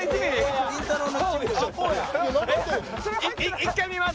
１回見ます！